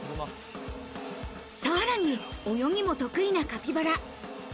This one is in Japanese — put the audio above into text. さらに泳ぎも得意なカピバラ。